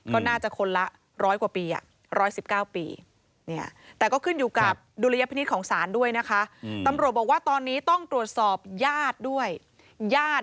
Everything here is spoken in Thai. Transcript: ก็น่าจะคนละร้อยกว่าปีร้อยสิบเก้าปี